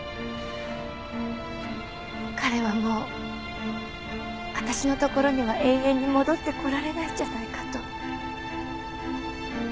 彼はもう私の所には永遠に戻ってこられないんじゃないかと。